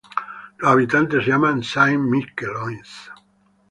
Los habitantes se llaman "Saint-Michelois".